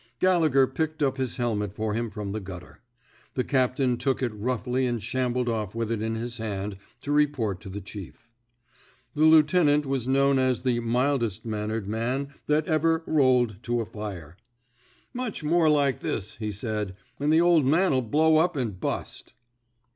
Gallegher picked up his helmet for him from the gutter. The captain took it roughly and shambled off with it in his hand to re port to the chief. The lieutenant was known as the mildest mannered man that ever rolled to a fire. 11 I THE SMOKE EATERS Much more like this/' he said, and the old man '11 blow up and bust."